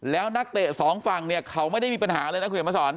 แล้วนักเตะสองฝั่งเนี่ยเขาไม่ได้มีปัญหาเลยนะคุณเห็นมาสอน